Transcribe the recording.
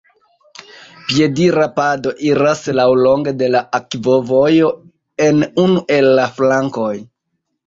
Piedira pado iras laŭlonge de la akvovojo en unu el la flankoj.